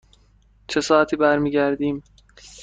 چه ساعتی برمی گردیم؟